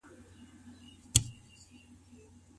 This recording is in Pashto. آيا ښځي د طلاق ورکولو واک نلري؟